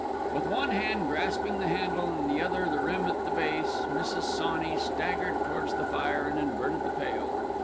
With one hand grasping the handle and the other the rim at the base, Mrs. Sawney staggered towards the fire and inverted the pail.